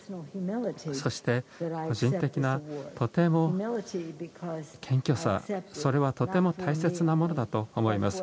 そして個人的なとても謙虚さそれはとても大切なものだと思います。